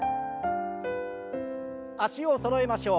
脚をそろえましょう。